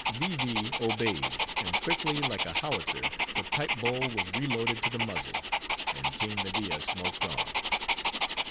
Vee Vee obeyed; and quickly, like a howitzer, the pipe owl was reloaded to the muzzle, and King Media smoked on.